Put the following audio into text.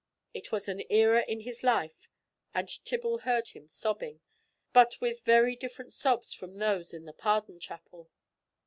It was an era in his life, and Tibble heard him sobbing, but with very different sobs from those in the Pardon chapel.